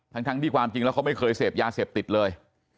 ทั้งที่ความจริงแล้วเขาไม่เคยเสพยาเสพติดเลย